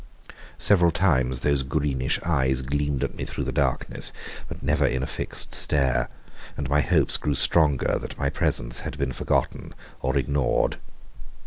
Several times those greenish eyes gleamed at me through the darkness, but never in a fixed stare, and my hopes grew stronger that my presence had been forgotten or ignored.